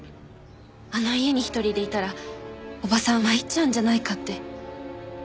あの家に一人でいたら伯母さん参っちゃうんじゃないかって。